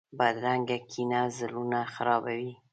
بدرنګه کینه زړونه خرابوي